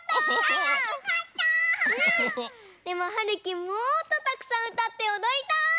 でもはるきもっとたくさんうたっておどりたい！